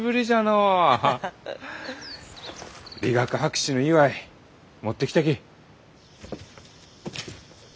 理学博士の祝い持ってきたき。